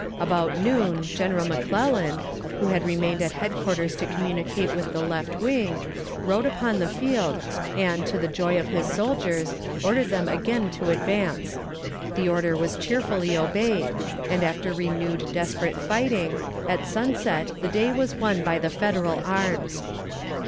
About noon General McClellan, who had remained at headquarters to communicate with the left wing, rode upon the field and, to the joy of his soldiers, ordered them again to advance. The order was cheerfully obeyed, and after renewed desperate fighting, at sunset the day was won by the Federal arms.